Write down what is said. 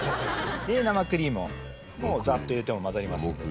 で生クリームをもうザっと入れても混ざります。